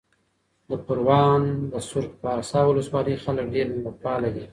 د پروان د سرخ پارسا ولسوالۍ خلک ډېر مېلمه پاله دي.